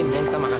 nanti kita makan